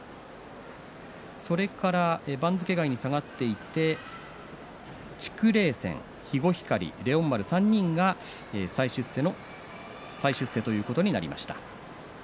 番付外に下がっていて筑零扇、肥後光、黎大丸３人が再出世ということになりました。